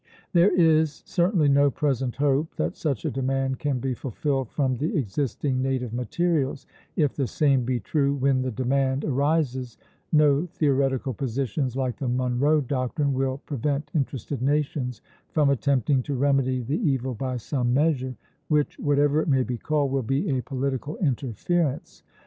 There is certainly no present hope that such a demand can be fulfilled from the existing native materials; if the same be true when the demand arises, no theoretical positions, like the Monroe doctrine, will prevent interested nations from attempting to remedy the evil by some measure, which, whatever it may be called, will be a political interference.